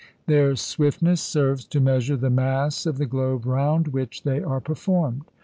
Their swiftness serves to measure the mass of the globe round which they are performed.